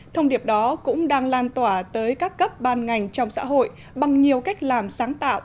thông điệp đó cũng đang lan tỏa tới các cấp ban ngành trong xã hội bằng nhiều cách làm sáng tạo